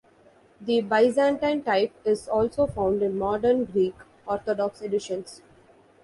The Byzantine type is also found in modern Greek Orthodox editions.